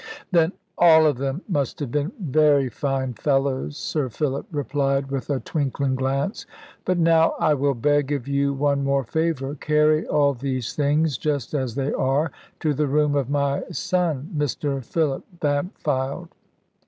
"Then all of them must have been very fine fellows," Sir Philip replied, with a twinkling glance. "But now I will beg of you one more favour. Carry all these things, just as they are, to the room of my son, Mr Philip Bampfylde."